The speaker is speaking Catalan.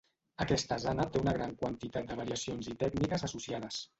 Aquesta asana té una gran quantitat de variacions i tècniques associades.